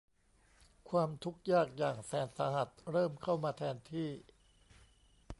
ความทุกข์ยากอย่างแสนสาหัสเริ่มเข้ามาแทนที่